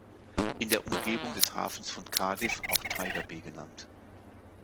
In der Umgebung des Hafens von Cardiff, auch Tiger Bay genannt.